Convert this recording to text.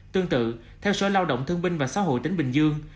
tương tự theo sở lao động thương binh và xã hội tỉnh bình dương